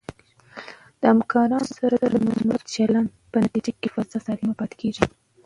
د همکارانو سره د مثبت چلند په نتیجه کې فضا سالمه پاتې کېږي.